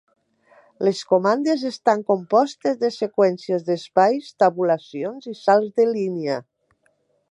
Les comandes estan compostes de seqüències d'espais, tabulacions i salts de línia.